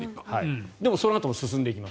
でも、そのあとも進んでいきます。